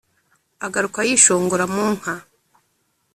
agaruka y’ishongora mu nka